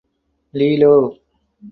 Lelo!